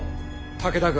武田軍